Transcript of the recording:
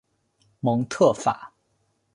蒙特法。